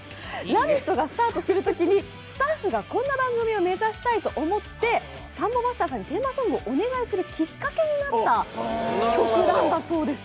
「ラヴィット！」がスタートするときにスタッフがこんな番組を目指したいと思ってサンボマスターさんにテーマソングをお願いするきっかけになった曲なんだそうです。